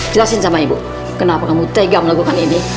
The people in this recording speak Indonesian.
jelasin sama ibu kenapa kamu tega melakukan ini